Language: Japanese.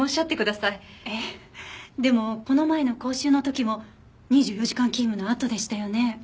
えっでもこの前の講習の時も２４時間勤務のあとでしたよね？